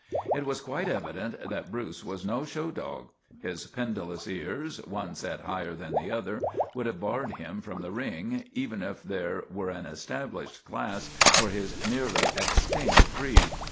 It was quite evident that Bruce was no show dog. His pendulous ears, one set higher than the other, would have barred him from the ring, even if there were an established class for his nearly ex tinct breed.